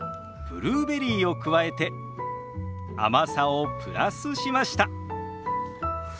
ブルーベリーを加えて甘さをプラスしました。